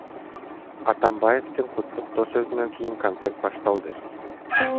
Атамбаевдин куттуктоо сөзүнөн кийин концерт башталды.